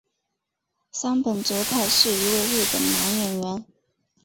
杉本哲太是一位日本男演员。